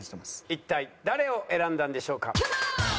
一体誰を選んだんでしょうか？